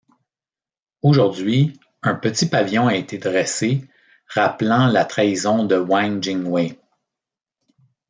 Aujourd’hui, un petit pavillon a été dressé, rappelant la trahison de Wang Jingwei.